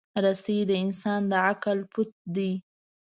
رسۍ د انسان د عقل پُت دی.